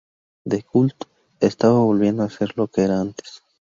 The Cult estaba volviendo a ser lo que era antes.